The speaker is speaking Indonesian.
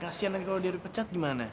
kasian lagi kalau dia dipecat gimana